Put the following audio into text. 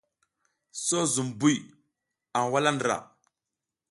So zum buy a wuzla ndra.